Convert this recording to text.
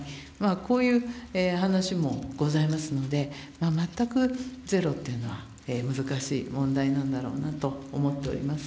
こういう話もございますので、全くゼロというのは難しい問題なんだろうなと思っております。